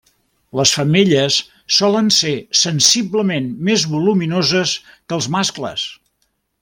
Les femelles solen ser sensiblement més voluminoses que els mascles.